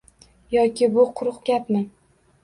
Yoki bu quruq gapmi?